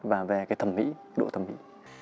và về cái thẩm mỹ